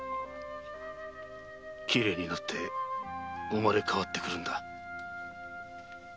きれいになって生まれ変わってくるんだ。